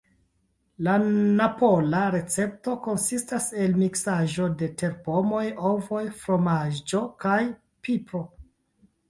La napola recepto konsistas el miksaĵo de terpomoj, ovoj, fromaĝo kaj pipro.